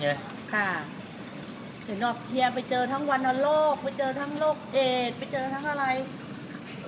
ค่ะเห็นหรอเฮียไปเจอทั้งวันนั้นโรคไปเจอทั้งโรคเอดไปเจอทั้งอะไร